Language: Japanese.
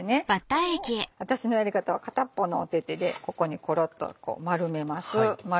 これを私のやり方は片っぽのお手手でここにコロっと丸めます。